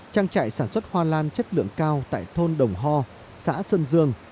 trang trại sản xuất hoa lan chất lượng cao tại thôn đồng ho xã sơn dương